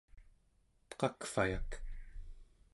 qakvayak